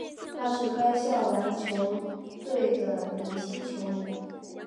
他是该校男篮校队的明星球员。